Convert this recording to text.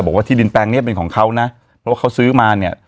บอกว่าที่ดินแปลงเนี้ยเป็นของเขานะเพราะว่าเขาซื้อมาเนี่ย